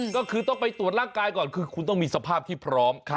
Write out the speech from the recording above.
ก็คือต้องไปตรวจร่างกายก่อนคือคุณต้องมีสภาพที่พร้อม